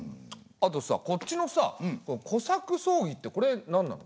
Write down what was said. あとさこっちのさ小作争議ってこれ何なの？